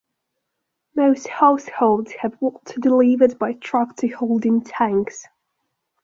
Most households have water delivered by truck to holding tanks.